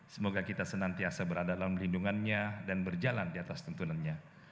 semoga kita senantiasa berada dalam lindungannya dan berjalan di atas tuntunannya